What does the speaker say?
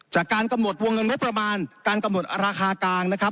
จากการกำหนดวงเงินงบประมาณการกำหนดราคากลางนะครับ